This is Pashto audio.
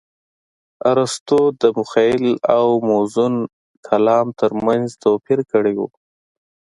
ارستو د مخيل او موزون کلام ترمنځ توپير کړى و.